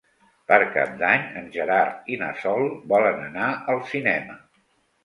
Per Cap d'Any en Gerard i na Sol volen anar al cinema.